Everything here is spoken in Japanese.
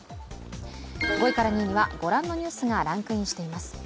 ５位から２位には、御覧のニュースがランクインしています。